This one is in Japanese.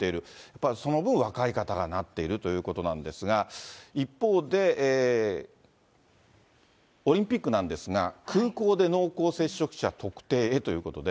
ただその分、若い方がなっているということなんですが、一方で、オリンピックなんですが、空港で濃厚接触者特定へということで。